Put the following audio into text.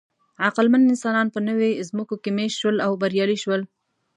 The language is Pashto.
عقلمن انسانان په نوې ځمکو کې مېشت شول او بریالي شول.